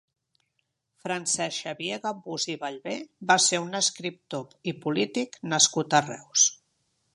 Francesc Xavier Gambús i Ballvé va ser un escriptor i polític nascut a Reus.